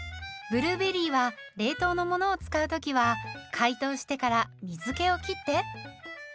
ブルーベリーは冷凍のものを使う時は解凍してから水けを切って。